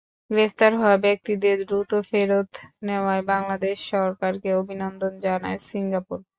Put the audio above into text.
গ্রেপ্তার হওয়া ব্যক্তিদের দ্রুত ফেরত নেওয়ায় বাংলাদেশ সরকারকে অভিনন্দনও জানায় সিঙ্গাপুর।